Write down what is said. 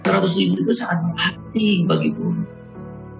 seratus ribu itu sangat penting bagi buruh